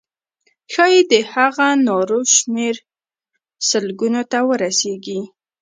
ښایي د هغو نارو شمېر سلګونو ته ورسیږي.